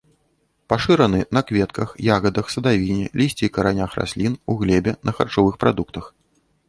Пашыраны на кветках, ягадах, садавіне, лісці і каранях раслін, у глебе, на харчовых прадуктах.